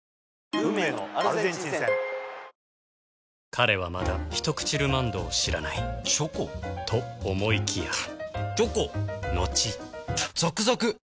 彼はまだ「ひとくちルマンド」を知らないチョコ？と思いきやチョコのちザクザク！